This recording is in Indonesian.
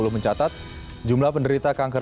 mencatat jumlah penderita kanker